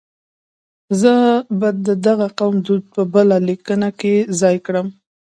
زه به د دغه قوم دود په بله لیکنه کې ځای کړم.